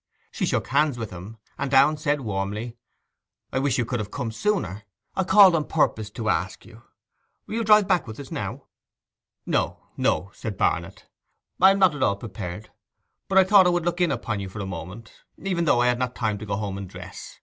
She shook hands with him, and Downe said warmly, 'I wish you could have come sooner: I called on purpose to ask you. You'll drive back with us now?' 'No, no,' said Barnet; 'I am not at all prepared; but I thought I would look in upon you for a moment, even though I had not time to go home and dress.